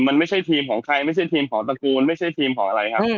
มันไม่ใช่ทีมของใครไม่ใช่ทีมของตระกูลไม่ใช่ทีมของอะไรครับ